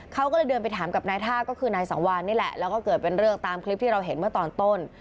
เขาก็เลยเดินไปถามกับนายท่าก็คือนายสังวานนี่แหละแล้วก็เกิดเป็นเรื่องตามคลิปที่เราเห็นเมื่อตอนต้น